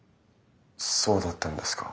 そうだったんですか。